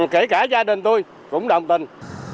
kể cả gia đình tôi cũng đồng tình